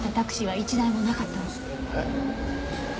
えっ？